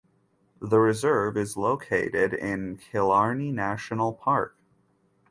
The reserve is located in Killarney National Park.